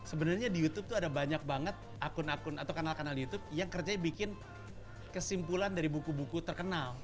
sebenarnya di youtube tuh ada banyak banget akun akun atau kanal kanal youtube yang kerjanya bikin kesimpulan dari buku buku terkenal